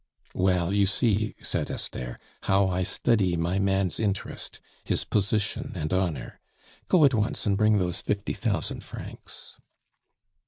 "Well, you see," said Esther, "how I study my man's interest, his position and honor. Go at once and bring those fifty thousand francs."